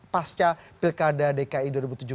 pasca pilkada dki dua ribu tujuh belas